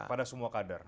pada semua kader